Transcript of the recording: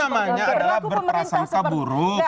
namanya adalah berperasangka buruk